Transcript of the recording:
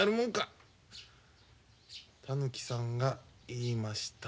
たぬきさんが言いました」。